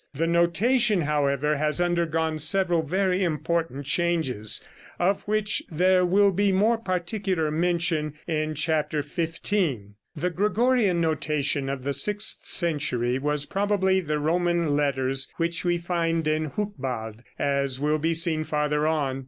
The notation, however, has undergone several very important changes, of which there will be more particular mention in chapter XV. The Gregorian notation of the sixth century was probably the Roman letters which we find in Hucbald, as will be seen farther on.